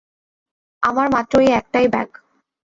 আমার মাত্র এই একটাই ব্যাগ।